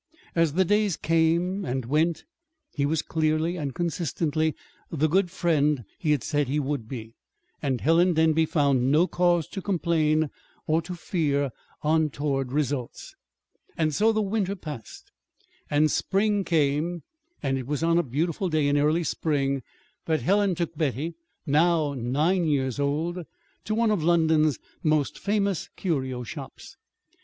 As the days came and went, he was clearly and consistently the good friend he had said he would be; and Helen Denby found no cause to complain, or to fear untoward results. And so the winter passed and spring came; and it was on a beautiful day in early spring that Helen took Betty (now nine years old) to one of London's most famous curio shops.